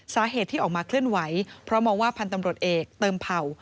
สาเหตุที่ออกมาเคลื่อนไหวเพราะมองว่าพันธุ์ตำรวจเอกเติมเผ่า